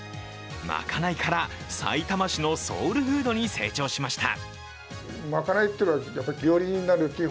まかないから、さいたま市のソウルフードに成長しました。